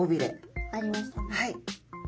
はい！